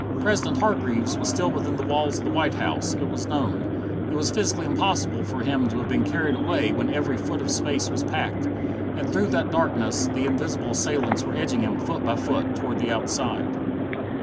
President Hargreaves was still within the walls of the White House, it was known; it was physically impossible for him to have been carried away when every foot of space was packed. And through that darkness the invisible assailants were edging him, foot by foot, toward the outside.